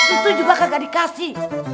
itu juga kagak dikasih